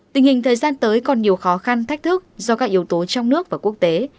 tình hình thời gian tới còn nhiều khó khăn thách thức do các yếu tố trong nước và quốc tế